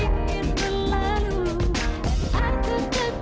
di sana lebih seru